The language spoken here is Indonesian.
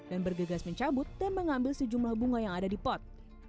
dan bergegas mencabut dan mengambil sejumlah bunga yang ada di pot